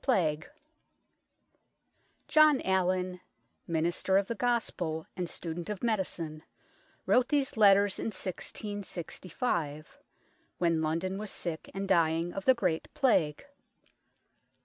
XVI JOHN ALLIN, minister of the Gospel and student of medicine, wrote these letters in 1665, when London was sick and dying of the Great Plague.